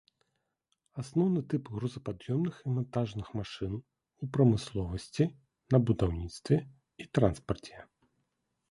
Асноўны тып грузапад'ёмных і мантажных машын у прамысловасці, на будаўніцтве і транспарце.